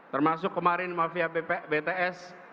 termasuk kemarin mafia bts